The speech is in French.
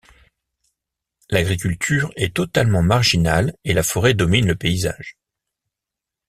L'agriculture est totalement marginale et la forêt domine le paysage.